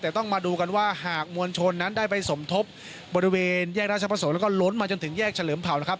แต่ต้องมาดูกันว่าหากมวลชนนั้นได้ไปสมทบบริเวณแยกราชประสงค์แล้วก็ล้นมาจนถึงแยกเฉลิมเผานะครับ